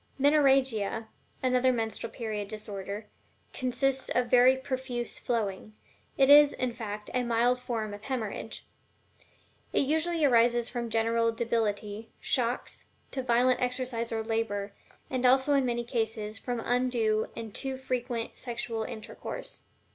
MENORRHAGIA, another menstrual period disorder, consists of very profuse flowing it is, in fact, a mild form of hemorrhage. It usually arises from general debility, shocks, too violent exercise or labor, and also in many cases from undue and too frequent sexual intercourse.